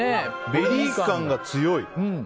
ベリー感が強い。